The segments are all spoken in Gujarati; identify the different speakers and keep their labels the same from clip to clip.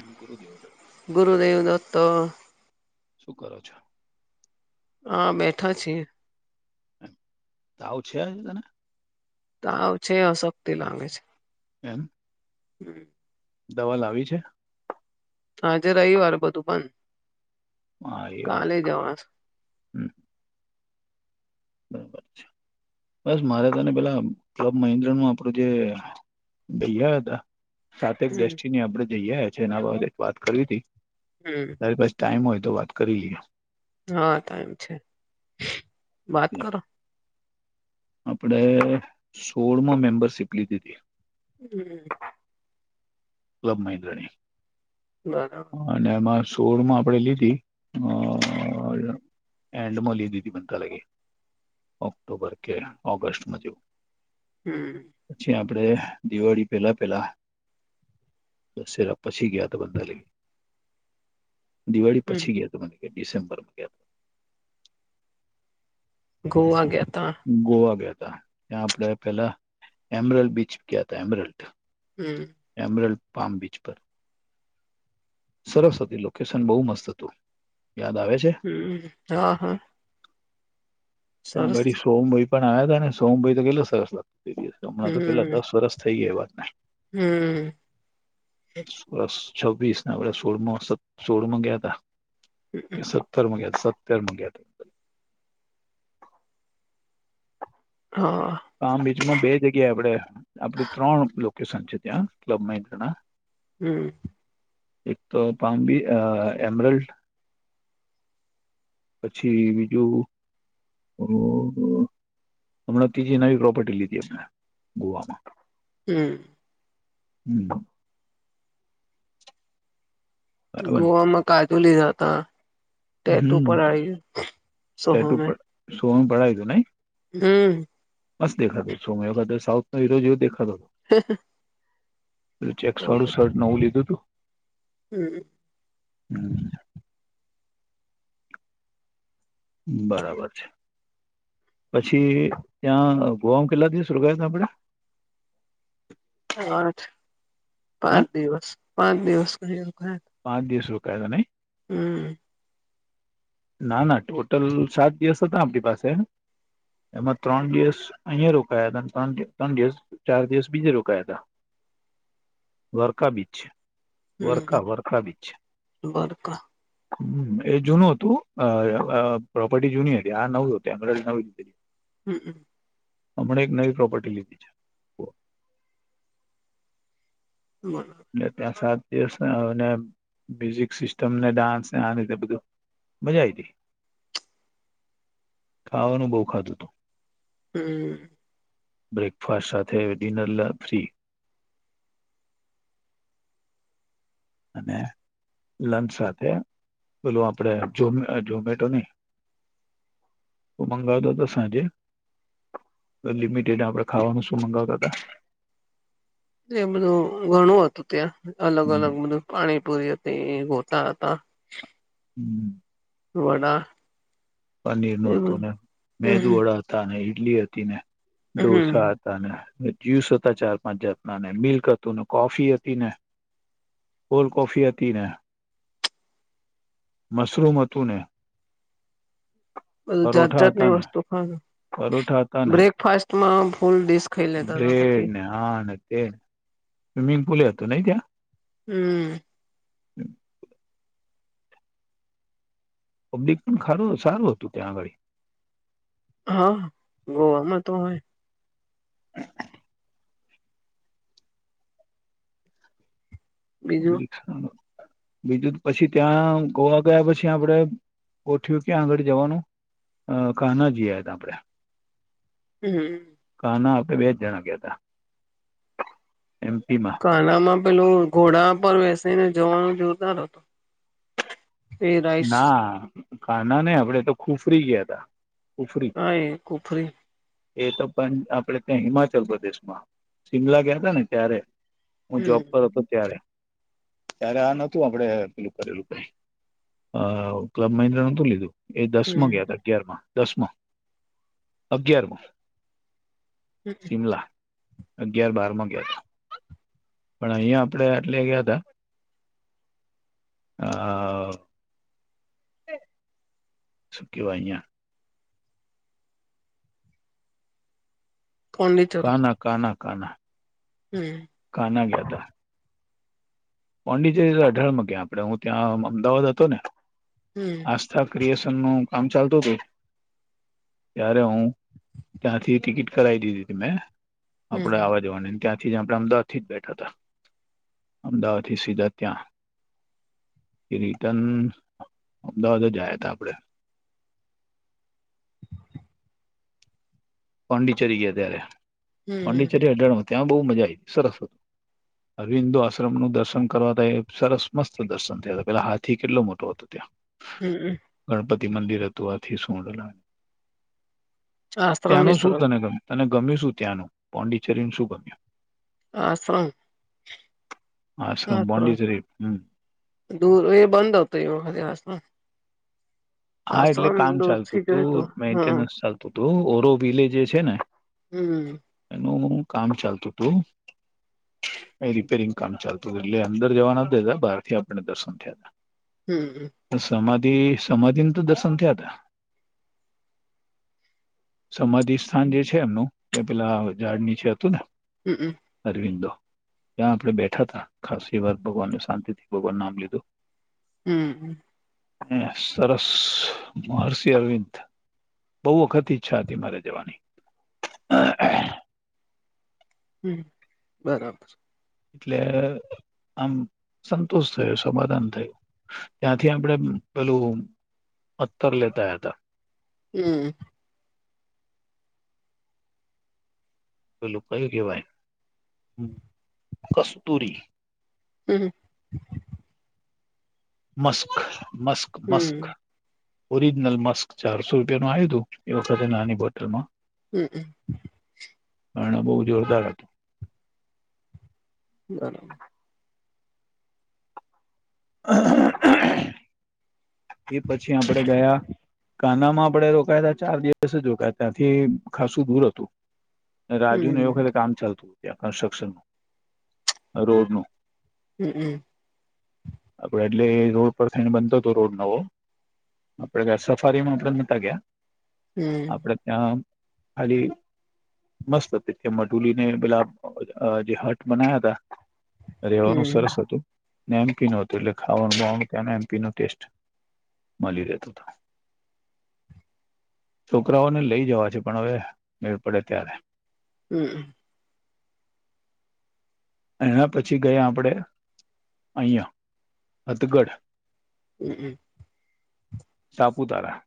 Speaker 1: એમ ગુરુદેવ
Speaker 2: ગુરદેવ દો હતો
Speaker 1: શું કરો છો
Speaker 2: હા બેઠા છીએ
Speaker 1: તાવ છે હવે તન
Speaker 2: તાવ છે અશક્તિ લાગે છે
Speaker 1: એમ
Speaker 2: હમ
Speaker 1: દવા લાવી છે
Speaker 2: આજે રવિવાર બધું પણ
Speaker 1: હા એ વાત હમ બરાબર બસ મારે તને પેલા ક્લબ મહેન્દ્ર નું આપણું જે ભૈયા એ હતા સાથે જ
Speaker 2: હમ
Speaker 1: ડેસ્ટિની આપડે જઈ આ છેએ એના બા એક વાત કરવી હતી
Speaker 2: હમ
Speaker 1: તારી પાસે ટાઈમ હોય તો વાત કરી લઈએ
Speaker 2: હા તો ટાઈમ છે વાત કરો
Speaker 1: આપણે સોળમાં મેમ્બરશીપ લીધી હતી
Speaker 2: હમ
Speaker 1: ક્લબ મહેન્દ્રણી
Speaker 2: બરાબર
Speaker 1: અને એમાં સોળમાં આપણેે લીધી અ એન્ડ મો લીદી બતા લાગી ઓક્ટોબર કે ઓગસ્ટ મ
Speaker 2: હમ.
Speaker 1: આપડે દિવાળી પેલા પેલા દશેરા પછી ગયા તો બધા લઈ ગ દિવાળી
Speaker 2: હમ
Speaker 1: પછી ગયા તો મને કે ડિસેમ્બરમાં ગયા
Speaker 2: ગોવા ગેટ
Speaker 1: ગોવા ગયા ત ત્યાં આપડ પેલા એમરલ બીચ ગયા ત એમરલ
Speaker 2: હમ
Speaker 1: એમરલ પામ બિચ પર સરસ હતી લોકેશન બહુ મસ્ત હતું. યાદ આવે છે
Speaker 2: હમ હા હા.
Speaker 1: ત
Speaker 2: સરસ
Speaker 1: ઘડી સોમભાઈ પણ આયાત ને અને સોમભાઈ તો ગેલો સરસ હમણાં તો પેલા
Speaker 2: હમ
Speaker 1: દસ વરષ થઈ ગયા એ વાતને
Speaker 2: હમ.
Speaker 1: સ છવ્વીસ આપણે સોળમાં સત સોળમાં ગ્યાતા કે સત્તરમાં ગ સત્તરમાં ગયા ત?
Speaker 2: હા.
Speaker 1: જેમાં બે જગ્યા આપે આપડી ત્રણ લોકેશન છે ત્યાં ક્લબ મહેન્દ્રના
Speaker 2: હમ.
Speaker 1: એક તો પામ્બી એમરલ્ડ પછી બીજું હમણાં ત્રીજી નવી પ્રોપર્ટી લીધી હમણા ગોવામાં
Speaker 2: હમ.
Speaker 1: હમ. બરાબર ને
Speaker 2: ગોવામાં કાજુ લીધાતા ટેટુ
Speaker 1: હમ
Speaker 2: પડાઈ સોહમે,
Speaker 1: તો પડાયું તું નહી
Speaker 2: હમ.
Speaker 1: બસ દેખાતો છું મે વખતે સાઉથ નો હીરો જેવ દેખાતો હતો
Speaker 2: હ.
Speaker 1: ચેક્સ વાળું શર્ટ નવું લીધું હતું.
Speaker 2: હમ.
Speaker 1: હમ બરાબર છે પછી ત્યાં ગોવામ કેલ્લા દિવસ રોકાયાત આપણેે?
Speaker 2: આઠ પાંચ દિવસ પાંચ દિવસ કર્યો
Speaker 1: ક જા નને
Speaker 2: હમ
Speaker 1: ના ના ટોટલ સાત દિવસ હતા આપણી પાસે એમાં ત્રણ દિવસ અહિયાંયા રોકાયા હતા, ત્રણ ત્રણ દિવસ ચાર દિવસ બીજે રોકાયા હતા.
Speaker 2: [unintelligible]
Speaker 1: વર્કા બીચ વર્કા
Speaker 2: હમ
Speaker 1: વર્કા બીચ
Speaker 2: બરકા
Speaker 1: હમ એ જૂનું હતું, પ્રોપર્ટી જૂની હતી આ નવું હત આંગ્રે નવી -
Speaker 2: હમ હમ.
Speaker 1: હમણા એક નવી પ્રોપર્ટી લીધી છે
Speaker 2: બરો
Speaker 1: એટલે ત્યા સાદ એ મ્યુઝિક સિસ્ટમ ને ડાન્સને આ રીતે બધું મજા આવીટી
Speaker 2: [unintelligible]
Speaker 1: ખાવાનું બહુ ખાધું હતું.
Speaker 2: હમ
Speaker 1: બ્રેકફાસ્ટ સાથે ડિનર ફ્રી. અ લંચ સાથે બેલું આપણે ઝોમેટો નને તો મંગાાવ દ તો સાજે લિમિટેડ આપણે ખાવાનું શું મંગાવતા હતા
Speaker 2: એ બધું ઘણું હતું ત્યાં અલગ અલગ બધું પાણી પૂરી ગતા હતા
Speaker 1: હમ
Speaker 2: હવાડા
Speaker 1: પનીર નું હતું ને મેદુ વડા હતા અનેને ઈડલી હતી ને
Speaker 2: હમ
Speaker 1: ડઢોસા હતા ને જ્યુસ હતા ચાર પાંચ જાતના ને મિલ્ક હતું ને કોફી હતી ને કોલડ કફીિયા તન હ મશરૂમ હતું ને
Speaker 2: પલ જાત
Speaker 1: પરોઠા
Speaker 2: જાત
Speaker 1: હતા
Speaker 2: ની
Speaker 1: ને
Speaker 2: વસ્તુ ખા
Speaker 1: પરોઠા હતા ને
Speaker 2: બ્રેકફાસ્ટમાં ફૂલ ડીશ ખાઈ લેતા હતા
Speaker 1: બ્રેડ
Speaker 2: પછી
Speaker 1: ને આ ને તે સ્વિમિંગ પુલ એતોું નહ ત્યા
Speaker 2: હમ
Speaker 1: હમ પબ્લિક પણ ખારું સારું હતું ત્યાં આગળ
Speaker 2: હા ગોવામાં તો હોય
Speaker 1: [unintelligible]
Speaker 2: બીજું
Speaker 1: બીજું પછી ત્યાં ગોવા ગયા પછી આપડે કોઠ્યું કે્યા આગળ જવાનું અ ક ના જઈએ આપણેે
Speaker 2: હમ
Speaker 1: ના બે જ જણા કતા
Speaker 2: ખાનામાં પેલું ઘોડા પર વસીને જવાનું જોતાાર હતું
Speaker 1: ના કાના ને આપણેે તો ખુફરી ગયા તા ખુફરી
Speaker 2: હ કોફરી
Speaker 1: એ તો પણ આપડે ત્યાં હિમાચલ પ્રદેશમાં શિમલા ગયા તા ને ત્યારે હું જોબ
Speaker 2: હમ
Speaker 1: પર હતો ત્યારે ત્યારે આ નતું આપડે પેલું કરેલું અ ક્લબ મહિન્દ્રા નોતું લીધું એ દસ માં ગયા
Speaker 2: હમ
Speaker 1: હતા અગિયાર માં દસમાં અગિયારમાં શિમલા અગિયાર બારમાં ગયા હતા પણ અહિયાં આપડે એટલે ગયા ત હ હ સુ કવા અયા
Speaker 2: પોંડિચેરી
Speaker 1: કના કના કના
Speaker 2: હમ
Speaker 1: કના ગયાતા પોડિજ અઢળમાં ગ આપણેે હું ત્યાં અમદાવાદ હતો ને
Speaker 2: હમ
Speaker 1: આસ્થા કરીએ ન કામ ચાલતું હતું ત્યારે હું ત્યાંથી ટિકિટ કરાવી દીધી ત મેં આપડે
Speaker 2: હમ
Speaker 1: આવવા જવાની ત્યાંથી જ આપે અમદાવાદ થી જ બેઠા હતા અમદાવાદ થી સીધા ત્યાં એ રિટર્ન અમદાવાદ જયા હતા આપડે પાંડિચેરી ગયા ત્યારે પોંડીચેરી
Speaker 2: હમ
Speaker 1: હઢણમાં ત્યાં બહુ મજા આવી સરસ હતું અરવિંદો આશ્રમનુંનુ દર્શન કરવા ત એ સરસ મસ્ત દર્શન થયા હતા પેલા હાથી કેટલો મોટો હતો ત્યાં
Speaker 2: હમ
Speaker 1: ગણપતિ મંદિર હતવાથી સૂડ લાગ
Speaker 2: આશ્રમ
Speaker 1: ત્યાંનું શું
Speaker 2: વિશ્રમ
Speaker 1: તને ગ તને ગમ્યું શું ત્યાંનું પોંડિચેરી શું ગમ્યું
Speaker 2: આશ્રમ આશ્રમ
Speaker 1: પોંડિચેરી હમ
Speaker 2: દૂર એ બંધ હતો એ વખતે હાસમાં
Speaker 1: હા એટલે કામ
Speaker 2: થી જોય તો
Speaker 1: ચાલતુંતું
Speaker 2: હમ
Speaker 1: મેન્ટેનન્સ ચાલતુંતું ઓરો વિલે જે છે, ને
Speaker 2: હમ.
Speaker 1: નું કામ ચાલતું હતું. રિપેરિંગ કામ ચાલતું હતું એટલે અંદર જવા ના દેતા બારથી આપણને દર્શન થયા હતા
Speaker 2: હમ.
Speaker 1: તે સમાધિને તો દશૅન થયાતા સમાધિ સાજે છે, એમનું એ પેલા ઝાડ નીચે હતું ને
Speaker 2: હમ
Speaker 1: અરવિંદો ત્યાં આપણે બેઠા હતા ખાસસી વાર ભગવાનને શાંતિથી ભગવાન નામ લીધું
Speaker 2: હમ.
Speaker 1: અયા સર મહર્ષિ અરવિંદ બોવ વખત ઈચ્છા હતી મારે જવાની
Speaker 2: હમ બરાબર
Speaker 1: એટલે આમ સંતોષ થયો સમાધાન થ ત્યાંથી આપણેે પેલું અતર લેતા હતા.
Speaker 2: હમ.
Speaker 1: પેલું કયું કેહેવાય કસ્તુરી
Speaker 2: હમ.
Speaker 1: મસ્ક મસ્ક મસ્ક
Speaker 2: હમ
Speaker 1: ઓરિજનલ મસ્ક ચારસો રૂપિયાનું આવ્યુંતું એ વખતે નાની બોટલમાં
Speaker 2: હમ હમ.
Speaker 1: પણ બોવ જોરદાર હતું.
Speaker 2: બરાબર.
Speaker 1: [inaudible] એ પછી આપણેે ગયા કાનામાં આપડે રોકાયા હતા ચાર દિવસ જ રોકાયા ત્યાંથી ખાસું દૂર હતું. રાજુનું એ
Speaker 2: હમ
Speaker 1: વખતે કામ ચાલતું ત્યાં કન્સ્ટ્રક્શનનું રોડનું
Speaker 2: હમ હમ.
Speaker 1: આપડે એટલે એટલે રોડ પર થઈને બનતો હતો રોડ નવો આપણે સફારીમાં આપણે નતા ગયા આપણે ત્યાં ખાલી. મસ્ત હતી જે મઢુલીને પેલા અ જે હટ બનાયા હતા.
Speaker 2: હમ
Speaker 1: રેવાનું સરસ હતું ને એમપીનુ હતું એટલે ખાવાનુંબાવાનું તયાનુ એમપી નુ ટેસ્ટ માલી રહેતો તો છોકરાઓને લઈ જવા છે, પણ હવે મેળ પડે ત્યારે
Speaker 2: હમ.
Speaker 1: એના પછી ગયા આપણેે અહીયા હથગઢ
Speaker 2: હમ હમ.
Speaker 1: સાપુતારા.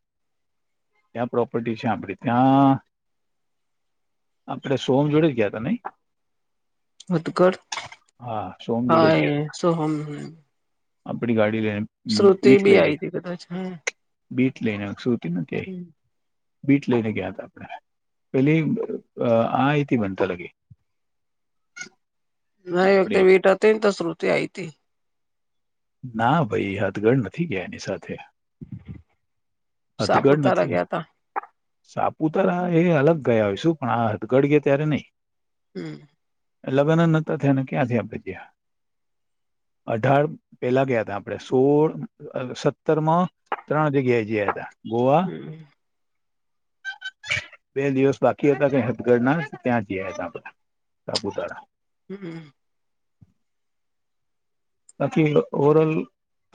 Speaker 1: ત્યાં પ્રોપર્ટી છે, આપડી ત્યાં આપડે સોમ જોડે જ ગયા ત નહી?
Speaker 2: [unintelligible] હા સોહમ
Speaker 1: આપણી ગાડી લેને
Speaker 2: શ્રુતિ
Speaker 1: બીઠ
Speaker 2: બી
Speaker 1: લઈ
Speaker 2: આઈ હતી કદાચ હ
Speaker 1: બીટ લઈને સુુંરતી નથીય બીટ લઈને ગયા હતા આપણે પેલી આ એથી બનતા લગે
Speaker 2: ના ઓય તે વીતે હતી ને તો શુરતિ આઈતી
Speaker 1: ના ભાઈ હાથગર નથી ગયા એની સાથે હથગઢ નથી
Speaker 2: સાપુતારા ગયા તા
Speaker 1: સાપુતારા એ અલગ ગયા હોય શું પણ આ હથગડ ગયા ત્યારે નહી
Speaker 2: હમ
Speaker 1: લગ્ન ન તો થાયને ક્યાંથી આપે ત અઢાર પેભા ગયા ત આપણે સોળ સત્તર માં ત્રણ જગ્યાએ જયા હતા ગોવા
Speaker 2: હમ
Speaker 1: બે દિવસ બાકી હતા ક હદગઢ ના ત્યાં જયા હતા આપણે સાપુતારા
Speaker 2: હમ
Speaker 1: બાકી ઓવર ઓલ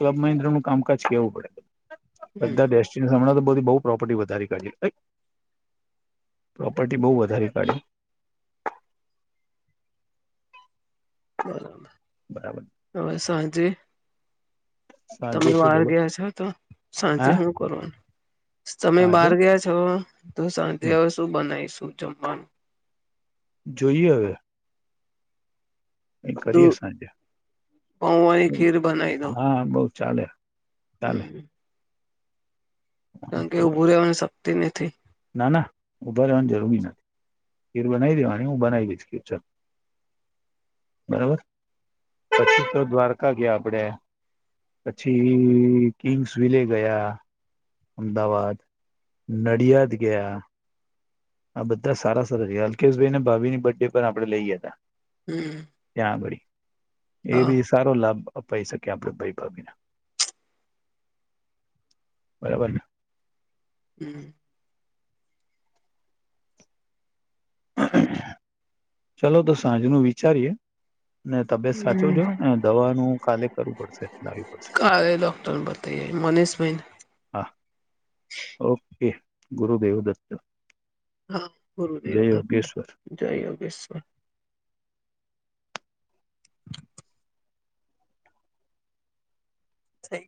Speaker 1: ક્લબ મન્દ્ર નું કામકાજ કેવું પડે
Speaker 2: હમ
Speaker 1: બધા ડેસ્ટિનેશન હમણાં તો બધી બહ પ્રોપર્ટી વધારે કરી પ્રોપર્ટી બહુ વધારે કાઢી
Speaker 2: [inaudible] બરાબર
Speaker 1: બરાબર
Speaker 2: હવે સાંજે તમે
Speaker 1: સાંજે શું
Speaker 2: બહાર
Speaker 1: બોલો
Speaker 2: ગયા છો તો શાંતિ
Speaker 1: હા
Speaker 2: શું કરવાનું તમે
Speaker 1: સાંજે
Speaker 2: બહાર ગયા છો તો સાંજે
Speaker 1: હમ
Speaker 2: હવે શું બનાવીશું જમવાનું
Speaker 1: જોઈએ હવે એ કરી
Speaker 2: દૂ
Speaker 1: અસાજ
Speaker 2: પૌવાની ખીર બનાવી દઉં
Speaker 1: હા બઉ ચાલે ચાલે
Speaker 2: હમ કારણ કે ઉઊભું રહેવાની શક્તિ નથી
Speaker 1: ના ના ઉઊભા રહેવાની જરૂરી નથી ખીર બનાવી દેવાવાની હું બનાવી દશ ખીરચન બરોબર પછી તો દ્વારકા ગયા આપણેે પછી કિંગ્સ વિલે ગયા અમદાવાદ નડિયાદ ગયા આ બધા સારા સરા છે અલ્કેશભાઈને ભાી ની બર્થ ડે પણ આપણે લઈ ગયા હતા
Speaker 2: હમ
Speaker 1: ત્યાં આગળ એ
Speaker 2: હા
Speaker 1: બી સારો લાભ અપાઈ શકીએ આપણે ભાઈ ભાવીને બરાબર ને
Speaker 2: હમ
Speaker 1: ચલો તો સાંજનું વિચારીએે ને તબિયત સાચો જો
Speaker 2: હમ
Speaker 1: ને દવાનું કાલે કરવું પડશે લાવવી પડશે
Speaker 2: કાે ડોક્ટર બતાએ મનીષ ભાઈન
Speaker 1: હા ઓકે ગુરુદેવ દત્ત
Speaker 2: હા ગુરુદેવ
Speaker 1: જય
Speaker 2: દત્ત
Speaker 1: યોગેશ્વર
Speaker 2: જય યોગેશ્વર થ